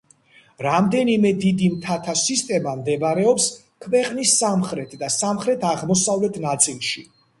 რამდენიმე დიდი მთათა სისტემა მდებარეობს ქვეყნის სამხრეთ და სამხრეთ-აღმოსავლეთ ნაწილში.